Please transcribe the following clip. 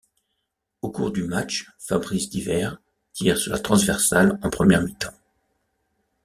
Au cours du match, Fabrice Divert tire sur la transversale en première mi-temps.